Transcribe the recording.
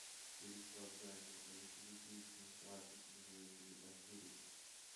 It is well drained, moderately deep, and slightly to moderately acidic.